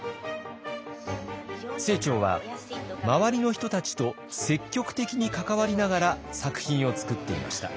清張は周りの人たちと積極的に関わりながら作品を作っていました。